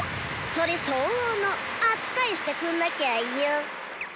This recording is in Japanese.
それ相応の「扱い」してくんなきゃよ。